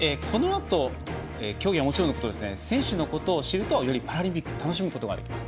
競技はもちろんのこと選手のことを知るとよりパラリンピックを楽しむことができます。